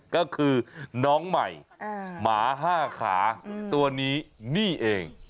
ก็คือน้องใหม่หมา๕ขาตัวนี้นี่เอง